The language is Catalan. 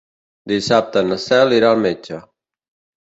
Dissabte na Cel irà al metge.